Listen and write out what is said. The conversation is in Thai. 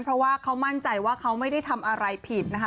เพราะว่าเขามั่นใจว่าเขาไม่ได้ทำอะไรผิดนะคะ